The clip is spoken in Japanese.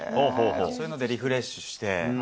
そういうのでリフレッシュして？